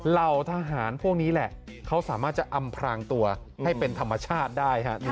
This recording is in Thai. เหล่าทหารพวกนี้แหละเขาสามารถจะอำพรางตัวให้เป็นธรรมชาติได้ครับ